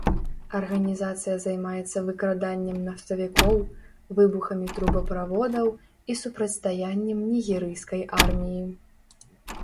Арганізацыя займаецца выкраданнем нафтавікоў, выбухамі трубаправодаў і супрацьстаяннем нігерыйскай арміі.